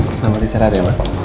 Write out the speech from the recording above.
selamat istirahat ya ma